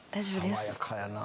爽やかやな！